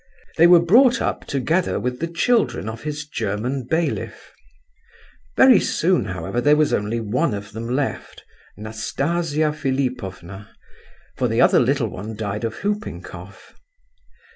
They were brought up together with the children of his German bailiff. Very soon, however, there was only one of them left—Nastasia Philipovna—for the other little one died of whooping cough.